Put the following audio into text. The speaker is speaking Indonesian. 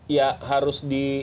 ya harus di